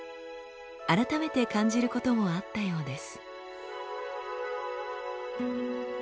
改めて感じることもあったようです。